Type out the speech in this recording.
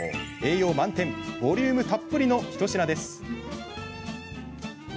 栄養満点ボリュームたっぷりの一品です。